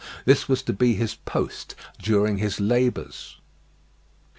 This was to be his post during his labours.